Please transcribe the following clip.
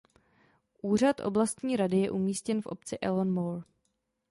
Úřad oblastní rady je umístěn v obci Elon More.